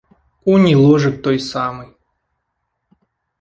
Унь і ложак той самы.